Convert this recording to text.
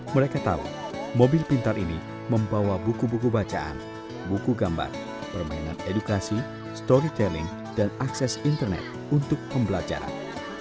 mereka tahu mobil pintar ini membawa buku buku bacaan buku gambar permainan edukasi storytelling dan akses internet untuk pembelajaran